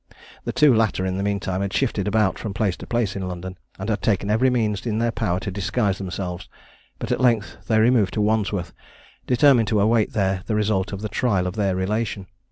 The two latter, in the meantime, had shifted about from place to place in London, and had taken every means in their power to disguise themselves; but at length they removed to Wandsworth, determined to await there the result of the trial of their relation.